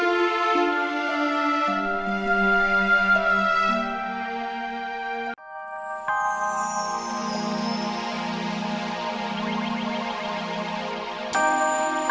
akhirnya kita pindah ke grand